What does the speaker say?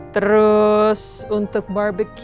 terus untuk bbq